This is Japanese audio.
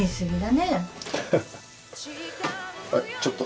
あっ。